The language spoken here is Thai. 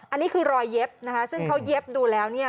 อันนี้คือรอยเย็บนะคะซึ่งเขาเย็บดูแล้วเนี่ย